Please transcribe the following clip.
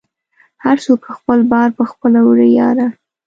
هر څوک خپل بار په خپله وړی یاره